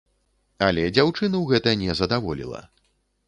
Але дзяўчыну гэта не задаволіла.